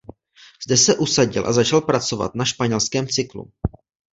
Zde se usadil a začal pracovat na Španělském cyklu.